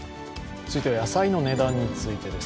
続いては野菜の値段についてです。